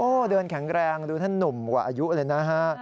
เดินแข็งแรงดูท่านหนุ่มกว่าอายุเลยนะฮะ